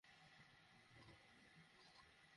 এই, গিয়ে কথা বলো তার সাথে।